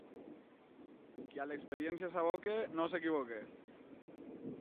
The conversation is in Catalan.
Qui a l'experiència s'aboca, no s'equivoca.